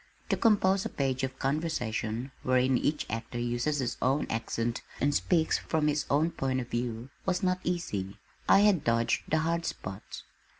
To compose a page of conversation, wherein each actor uses his own accent and speaks from his own point of view, was not easy. I had dodged the hard spots.